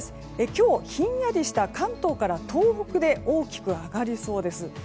今日ひんやりした関東から東北で大きく上がりそうです。